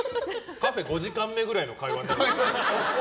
カフェ５時間目くらいの会話。